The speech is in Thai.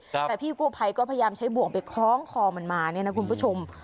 แต่พี่กู้ภัยก็พยายามใช้บ่วงไปคล้องคอมันมาเนี่ยนะคุณผู้ชม